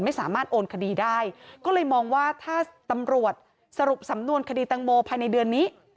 ไม่สามารถโอนคดีได้ก็เลยมองว่าถ้าตำรวจสรุปสำนวนคดีตังโมภายในเดือนนี้